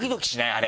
あれ。